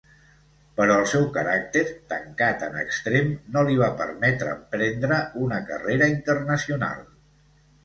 Però el seu caràcter, tancat en extrem, no li va permetre emprendre una carrera internacional.